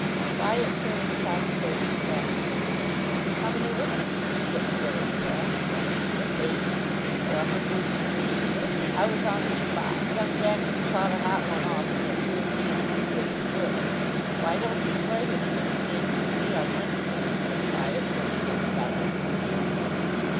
Wyatt turned the conversation tactfully. "How many wickets did you get to day?" he asked. "Eight. For a hundred and three. I was on the spot. Young Jackson caught a hot one off me at third man. That kid's good." "Why don't you play him against the M.C.C. on Wednesday?" said Wyatt, jumping at his opportunity.